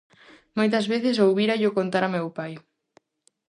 Moitas veces ouvírallo contar a meu pai.